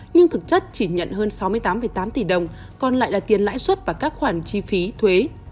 nhưng thực chất chỉ nhận hơn sáu mươi tám tám tỷ đồng còn lại là tiền lãi suất và các khoản chi phí thuế